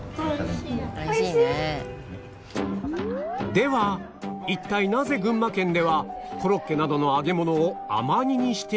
では一体なぜ群馬県ではコロッケなどの揚げ物を甘煮にしているのか？